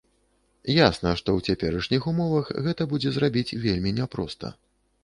Ясна, што ў цяперашніх умовах гэта будзе зрабіць вельмі няпроста.